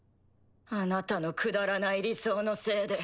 あなたのくだらない理想のせいで。